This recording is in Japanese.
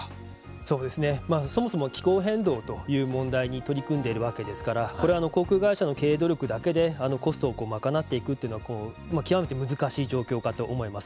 そうですね、そもそも気候変動という問題に取り組んでいるわけですからこれは航空会社の経営努力だけでコストを賄っていくというのは極めて難しい状況かと思います。